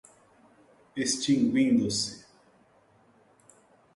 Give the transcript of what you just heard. extinguindo-se